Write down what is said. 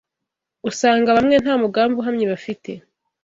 Usanga bamwe nta mugambi uhamye bafite